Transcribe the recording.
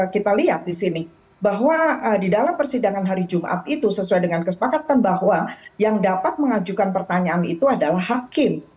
kita lihat di sini bahwa di dalam persidangan hari jumat itu sesuai dengan kesepakatan bahwa yang dapat mengajukan pertanyaan itu adalah hakim